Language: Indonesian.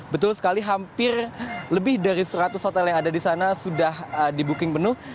betul sekali hampir lebih dari seratus hotel yang ada di sana sudah di booking penuh